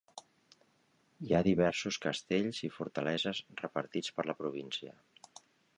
Hi ha diversos castells i fortaleses repartits per la província.